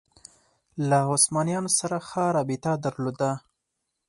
له عثمانیانو سره ښه رابطه درلوده